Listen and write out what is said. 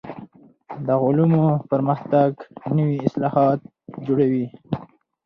د علومو پرمختګ نوي اصطلاحات جوړوي.